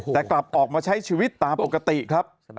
แต่กลับออกมาใช้ชีวิตตามปกติครับ